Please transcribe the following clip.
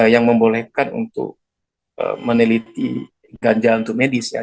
yang membolehkan untuk meneliti ganja untuk medis ya